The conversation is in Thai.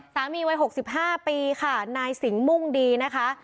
สามีวัยหกสิบห้าปีค่ะนายสิงห์มุ่งดีนะคะ